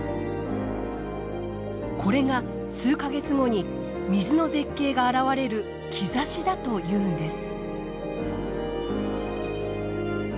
これが数か月後に水の絶景が現れる兆しだというんです。